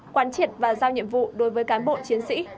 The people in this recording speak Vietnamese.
quán triệt và giao nhiệm vụ đối với cán bộ chiến sĩ